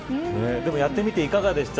でもやってみていかがでした。